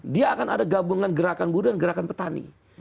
dia akan ada gabungan gerakan buruh dan gerakan petani